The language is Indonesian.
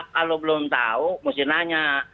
kalau belum tahu mesti nanya